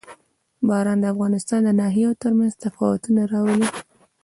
باران د افغانستان د ناحیو ترمنځ تفاوتونه راولي.